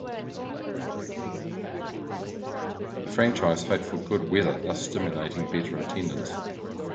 The franchise hoped for good weather, thus stimulating better attendance.